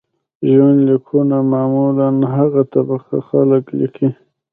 ژوند لیکونه معمولاً هغه طبقه خلک لیکي.